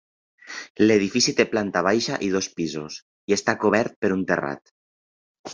L'edifici té planta baixa i dos pisos i està cobert per un terrat.